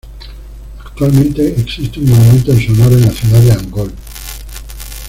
Actualmente existe un monumento en su honor en la ciudad de Angol.